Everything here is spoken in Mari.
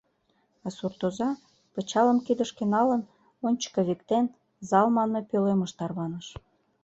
А суртоза, пычалым кидышке налын, ончыко виктен, зал манме пӧлемыш тарваныш.